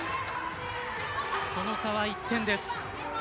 その差は１点です。